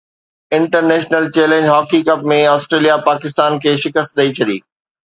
international challenge hockey cup ۾ Australia Pakistan کي شڪست ڏئي ڇڏي